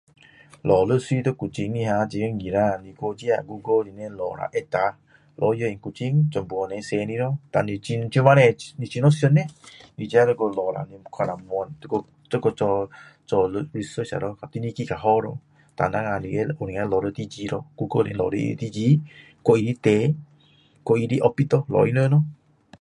找律师在古晋里面 har 也很容易啦，去 Google 里面找一下，按一下，lawyer in 古晋，全部都会出来咯，但这么多，你怎么样选嘞。你自己需去找一下，你, [unintelligible] 就需要做 research 啦咯！要选哪个较好，在但等下能找那地址咯，去 Google 里找到地址，还有他的店，还有他的 office 咯，找他们咯。